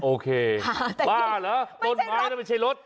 โอเคบ้าเหรอต้นไม้นั่นไม่ใช่รถ